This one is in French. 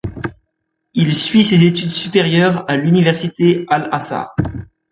Il suit ses études supérieures à l'université al-Azhar.